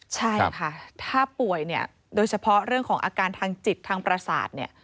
ใช่ค่ะถ้าป่วยเนี่ยโดยเฉพาะเรื่องของอาการทางจิตทางประสาทเนี่ย